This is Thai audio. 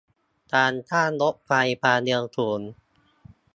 การสร้างรถไฟความเร็วสูง